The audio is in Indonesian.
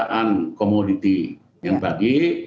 oleh kelangkaan komoditi yang tadi